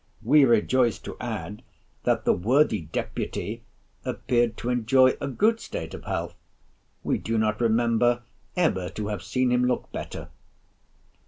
we rejoice to add, that the worthy Deputy appeared to enjoy a good state of health. We do not remember ever to have seen him look better."